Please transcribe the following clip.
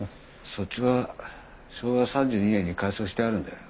そっちは昭和３２年に改装してあるんだよ。